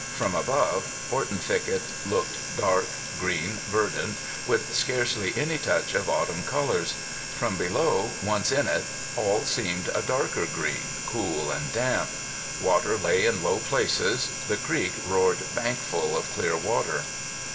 From above Horton Thicket looked dark, green, verdant, with scarcely any touch of autumn colors; from below, once in it, all seemed a darker green, cool and damp. Water lay in all low places. The creek roared bankfull of clear water.